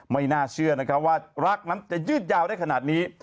ไม่น่าเชื่อนะครับว่ารักนั้นจะยืดยาวได้ขนาดนี้